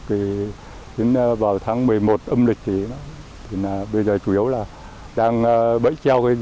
thì đến vào tháng một mươi một âm lịch thì bây giờ chủ yếu là đang bẫy treo cái gì